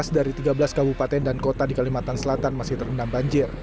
tujuh belas dari tiga belas kabupaten dan kota di kalimantan selatan masih terendam banjir